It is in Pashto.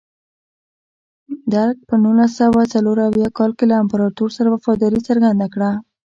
درګ په نولس سوه څلور اویا کال کې له امپراتور سره وفاداري څرګنده کړه.